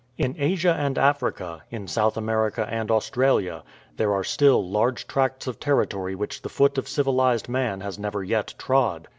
In Asia and Africa, in South America and Australia, there are still large tracts of territory which the foot of civilized man has never yet trod.